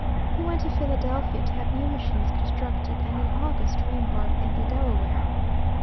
He went to Philadelphia, to have new machines constructed, and in August re embarked in the Delaware.